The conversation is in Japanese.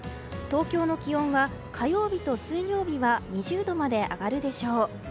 東京の気温は火曜日と水曜日は２０度まで上がるでしょう。